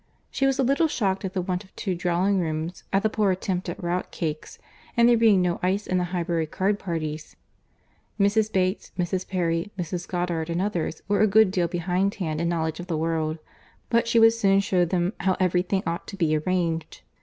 She was a little shocked at the want of two drawing rooms, at the poor attempt at rout cakes, and there being no ice in the Highbury card parties. Mrs. Bates, Mrs. Perry, Mrs. Goddard and others, were a good deal behind hand in knowledge of the world, but she would soon shew them how every thing ought to be arranged.